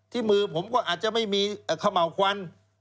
ที่มือผมก็อาจจะไม่มีขะเหมาควัน